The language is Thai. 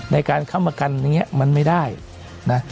ในการข้ามกันนี้มันไม่ได้นะ